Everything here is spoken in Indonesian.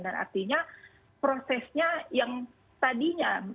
dan artinya prosesnya yang tadinya